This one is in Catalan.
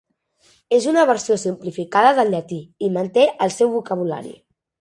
És una versió simplificada del llatí, i manté el seu vocabulari.